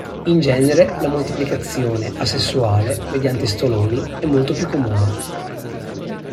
In genere la moltiplicazione asessuale, mediante stoloni, è molto più comune.